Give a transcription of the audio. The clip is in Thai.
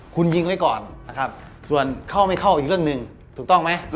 คุณยิงไว้ก่อนนะครับส่วนเข้าไม่เข้าอีกเรื่องหนึ่งถูกต้องไหม